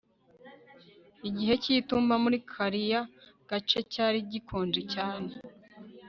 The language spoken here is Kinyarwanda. Igihe cyitumba muri kariya gace cyari gikonje cyane